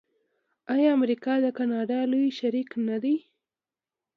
آیا امریکا د کاناډا لوی شریک نه دی؟